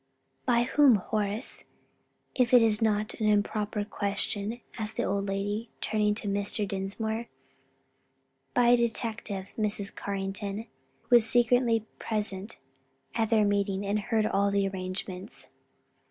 "By whom, Horace? if it be not an improper question," asked the old lady, turning to Mr. Dinsmore. "By a detective, Mrs. Carrington, who was secretly present at their meeting and heard all the arrangements."